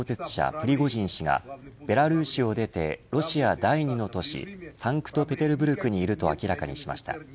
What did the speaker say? プリゴジン氏がベラルーシを出てロシア第２の都市サンクトペテルブルクにいると明らかにしました。